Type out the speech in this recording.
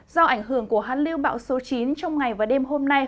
do ảnh hưởng của hán lưu bão số chín trong ngày và đêm hôm nay